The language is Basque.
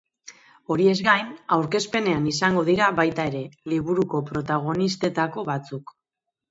Horiez gain, aurkezpenean izango dira baita ere, liburuko protagonistetako batzuk.